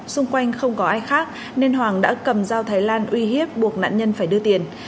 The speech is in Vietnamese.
xung quanh không có ai khác nên hoàng đã cầm dao thái lan uy hiếp buộc nạn nhân phải đưa tiền